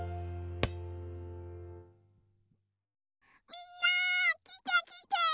みんなきてきて！